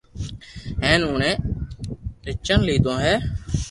ھين اوڻي ئچن ليدو ھي